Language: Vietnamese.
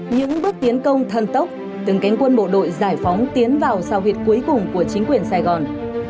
những bước tiến công thân tốc từng cánh quân bộ đội giải phóng tiến vào sao việt cuối cùng của chính quyền sài gòn